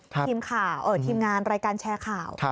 ทีมงานรายการแชร์ข่าว